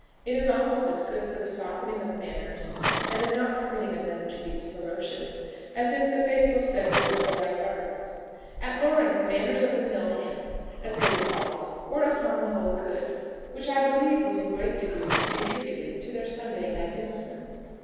It is almost as good for the softening of manners, and the not permitting of them to be ferocious, as is the faithful study of the polite arts. At Loring the manners of the mill hands, as they were called, were upon the whole good, which I believe was in a great degree to be attributed to their Sunday magnificence.